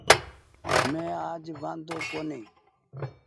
مينٚ آج وآۮو ڪونيٚ